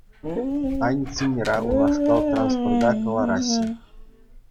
Аньцинра унашкал транспорта кӑлараҫҫӗ.